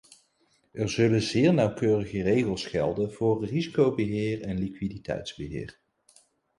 Er zullen zeer nauwkeurige regels gelden voor risicobeheer en liquiditeitsbeheer.